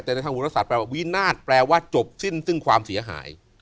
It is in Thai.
แต่ในทางวรศาสตแปลว่าวินาศแปลว่าจบสิ้นซึ่งความเสียหาย